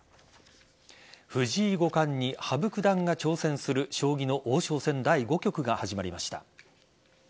藤井五冠に羽生九段が挑戦する将棋の王将戦第５局が始まりました。